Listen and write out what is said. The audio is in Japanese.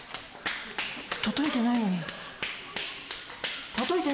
叩いてないのに。